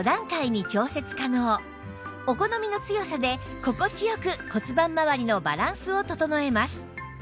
お好みの強さで心地良く骨盤まわりのバランスを整えます